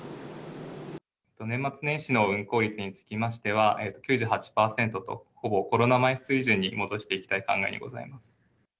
年末年始の運航率につきましては、９８％と、ほぼコロナ前水準に戻していきたい考えにございます。